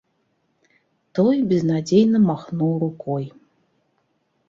Той безнадзейна махнуў рукой.